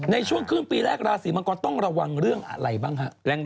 ในช่วงครึ่งปีแรกราศีมังกรต้องระวังเรื่องอะไรบ้างฮะ